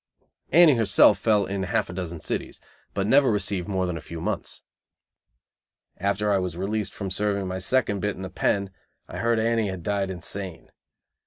Annie herself fell in half a dozen cities, but never received more than a few months. After I was released from serving my second bit in the "pen," I heard Annie had died insane.